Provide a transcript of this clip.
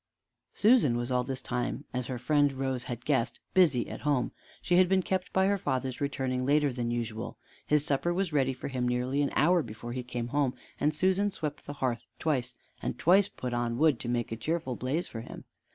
Susan was all this time, as her friend Rose had guessed, busy at home. She had been kept by her father's returning later than usual. His supper was ready for him nearly an hour before he came home, and Susan swept the hearth twice, and twice put on wood to make a cheerful blaze for him.